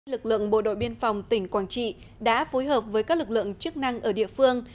lực lượng bộ đội biên phòng tỉnh quảng trị đã phối hợp với các lực lượng chức năng ở địa phương